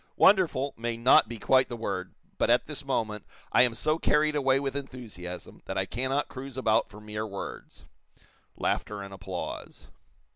'Wonderful' may not be quite the word, but, at this moment, I am so carried away with enthusiasm that I cannot cruise about for mere words." (Laughter and applause.)